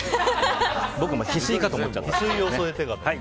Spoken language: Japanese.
僕もヒスイかと思っちゃった。